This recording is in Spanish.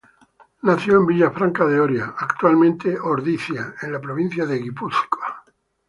Nació en Villafranca de Oria, actualmente Ordizia, en la provincia de Guipúzcoa.